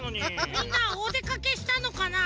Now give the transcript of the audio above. みんなおでかけしたのかな？